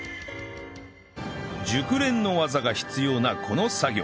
熟練の技が必要なこの作業